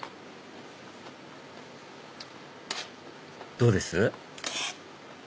どうです？